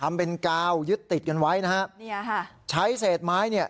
ทำเป็นกาวยึดติดกันไว้นะฮะเนี่ยค่ะใช้เศษไม้เนี่ย